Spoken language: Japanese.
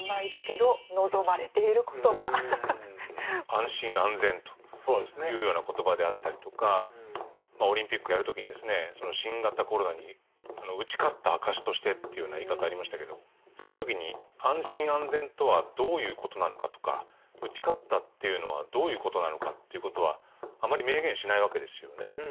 「安心・安全」というような言葉であったりとかオリンピックやる時に「新型コロナに打ち勝った証として」というような言い方ありましたけどその時に安心・安全とはどういうことなのかとか打ち勝ったというのはどういうことなのかということはあまり明言しないわけですよね。